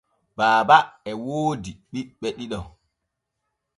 Baaba e woodi ɓiɓɓe ɗiɗo.